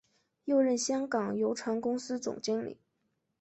又任香港邮船公司总经理。